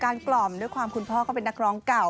กล่อมด้วยความคุณพ่อก็เป็นนักร้องเก่า